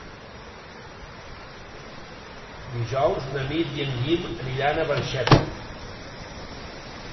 Dijous na Nit i en Guim aniran a Barxeta.